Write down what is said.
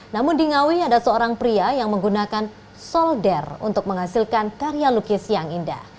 namun di ngawi ada seorang pria yang menggunakan solder untuk menghasilkan karya lukis yang indah